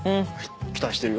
期待してるよ？